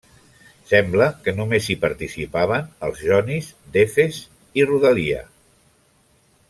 Sembla que només hi participaven els jonis d'Efes i rodalia.